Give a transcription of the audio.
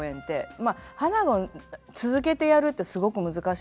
まあ「花子」続けてやるってすごく難しい。